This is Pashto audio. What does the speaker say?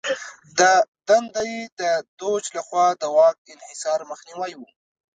د دنده یې د دوج لخوا د واک انحصار مخنیوی و.